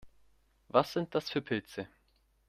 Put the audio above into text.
Was sind das für Pilze?